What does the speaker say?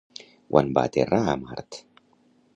Quan va aterrar a Mart?